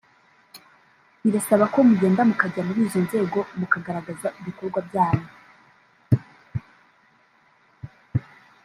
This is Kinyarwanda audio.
Birasaba ko mugenda mukajya muri izo nzego mukagaragaza ibikorwa byanyu